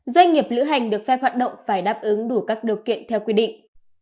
doanh nghiệp lữ hành được phép hoạt động phải đáp ứng đủ các điều kiện theo quy định